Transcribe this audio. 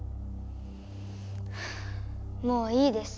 もういいです。